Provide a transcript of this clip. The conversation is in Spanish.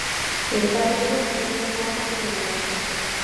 Esta región es de forma irregular.